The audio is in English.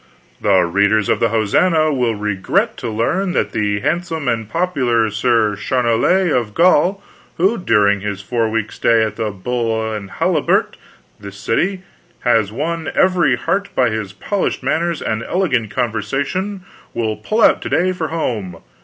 The readers of the Hosannah will re gret to learn that the hadndsome and popular Sir Charolais of Gaul, who dur ing his four weeks' stay at the Bull and Halibut, this city, has won every heart by his polished manners and elegant cPnversation, will pUll out to day for home.